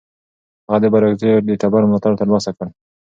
هغه د بارکزیو د ټبر ملاتړ ترلاسه کړ.